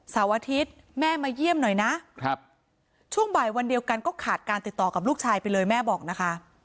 อาทิตย์แม่มาเยี่ยมหน่อยนะช่วงบ่ายวันเดียวกันก็ขาดการติดต่อกับลูกชายไปเลยแม่บอกนะคะ